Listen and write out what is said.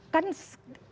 kan obat itu